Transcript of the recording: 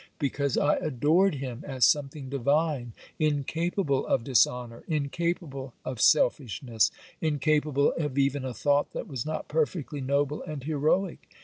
Because I adored him as something divine, incapable of dishonour, incapable of selfishness, incapable of even a thought that was not perfectly noble and heroic.